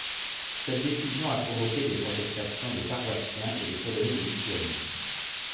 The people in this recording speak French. Cette décision a provoqué des protestations des paroissiens et des Polonais de Lituanie.